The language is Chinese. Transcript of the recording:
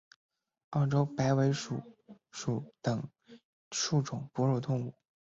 澳洲白尾鼠属等之数种哺乳动物。